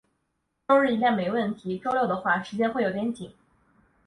周日应该没问题，周六的话，时间会有点紧。